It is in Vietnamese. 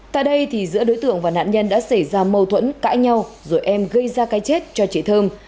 tại đây thì giữa đối tượng và nạn nhân đã xảy ra mâu thuẫn cãi nhau rồi em gây ra cái chết cho chị thơm